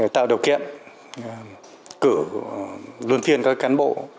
tạo điều kiện cử luân phiên các cán bộ